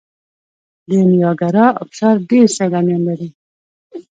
د نیاګرا ابشار ډیر سیلانیان لري.